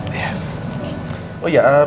kita harus saling memaafkan lah